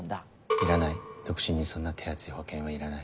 いらない独身にそんな手厚い保険はいらない。